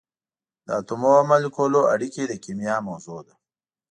د اتمونو او مالیکولونو اړیکې د کېمیا موضوع ده.